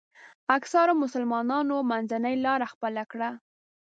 اکثرو مسلمانانو منځنۍ لاره خپله کړه.